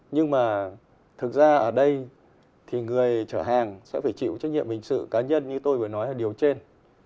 nhưng mà thực ra ở đây thì người chở hàng sẽ phải chịu trách nhiệm hình sự cá nhân như tôi vừa nói là điều trên